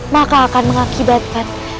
maka akan mengakibatkan